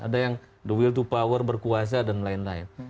ada yang the will to power berkuasa dan lain lain